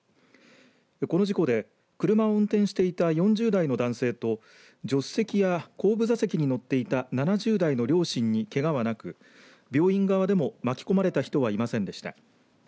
この事故で車を運転していた４０代の男性と助手席や後部座席に乗っていた７０代の両親に、けがはなく病院側でも巻き込まれた人はいませんでした。